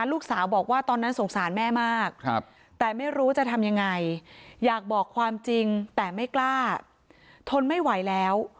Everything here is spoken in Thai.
ลูกสาวบอกว่าตอนนั้นสงสารแม่มากแต่ไม่รู้จะทำยังไงอยากบอกความจริงแต่ไม่กล้าทนไม่ไหวแล้ว